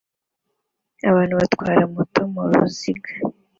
abantu batwara moto muruziga